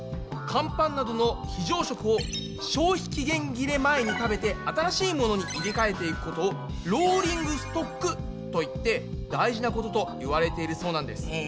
乾パンなどの非常食を消費期限切れ前に食べて新しいものに入れかえていくことを「ローリングストック」と言って大事なことと言われているそうなんです。